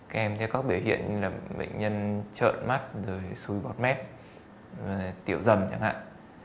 kèm theo các biểu hiện như là bệnh nhân trợn mắt xui bọt mép tiểu dầm chẳng hạn